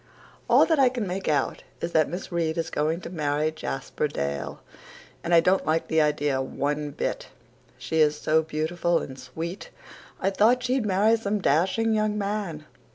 "All that I can make out is that Miss Reade is going to marry Jasper Dale, and I don't like the idea one bit. She is so beautiful and sweet. I thought she'd marry some dashing young man.